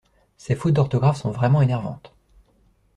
Ces fautes d’orthographe sont vraiment énervantes.